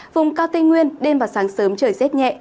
vùng cao tây nguyên đêm và sáng sớm trời rét nhẹ